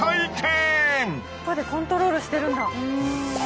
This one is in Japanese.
尻尾でコントロールしてるんだ。